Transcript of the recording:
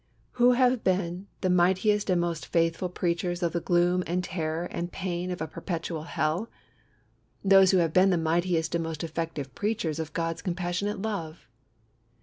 Who have been the mightiest and most faithful preachers of the gloom and terror and pain of a perpetual Hell? those who have been the mightiest and most effective preachers of God's compassionate love.